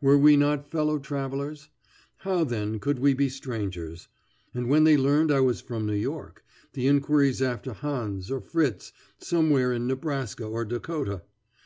Were we not fellow travellers? How, then, could we be strangers? And when they learned I was from New York, the inquiries after Hans or Fritz, somewhere in Nebraska or Dakota.